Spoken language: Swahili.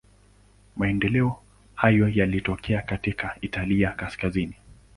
Maendeleo hayo yalitokea katika Italia kaskazini.